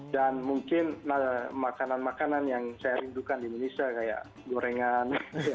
dan mungkin makanan makanan yang saya rindukan di indonesia kayak gorengan